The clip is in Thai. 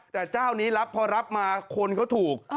แต่เจ้านี้รับพอรับมาคนเขาถูก